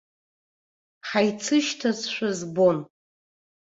Ҳаицышьҭазшәа збон.